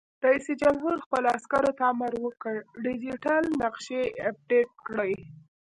رئیس جمهور خپلو عسکرو ته امر وکړ؛ ډیجیټل نقشې اپډېټ کړئ!